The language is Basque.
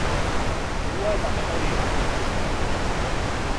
Burua eta memoria, nik uste.